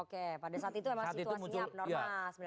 oke pada saat itu emang situasinya abnormal sebenarnya pak